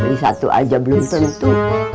ini satu aja belum tentu